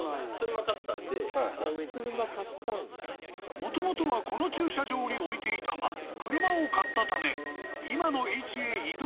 ［もともとはこの駐車場に置いていたが］えっ？